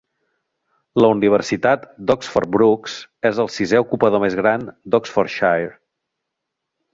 La Universitat d'Oxford Brookes és el sisè ocupador més gran d'Oxfordshire.